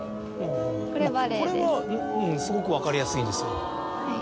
これはすごく分かりやすいんですよ。